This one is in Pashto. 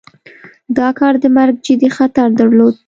دا کار د مرګ جدي خطر درلود.